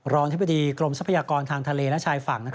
อธิบดีกรมทรัพยากรทางทะเลและชายฝั่ง